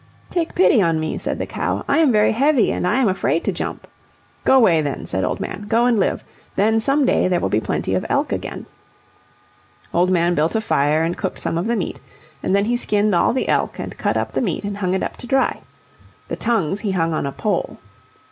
"Take pity on me," said the cow. "I am very heavy, and I am afraid to jump." "Go away, then," said Old Man; "go and live. Then some day there will be plenty of elk again." Old Man built a fire and cooked some of the meat, and then he skinned all the elk, and cut up the meat and hung it up to dry. The tongues he hung on a pole.